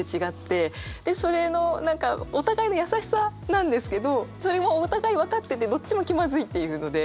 でそれの何かお互いの優しさなんですけどそれもお互い分かっててどっちも気まずいっていうので。